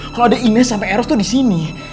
kalau ada ines sama eros tuh disini